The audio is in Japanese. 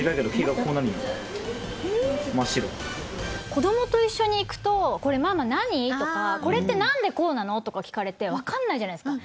子どもと一緒に行くと「これママ何？」とか「これってなんでこうなの？」とか聞かれてわかんないじゃないですか。